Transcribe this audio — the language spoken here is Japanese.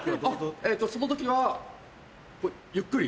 えっとその時はゆっくり。